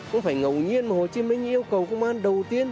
không phải ngầu nhiên mà hồ chí minh yêu cầu công an đầu tiên